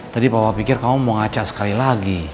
tadi papa pikir kamu mau ngaca sekali lagi